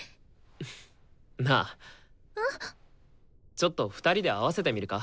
ちょっと２人で合わせてみるか？